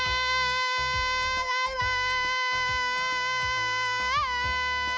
バイバイ！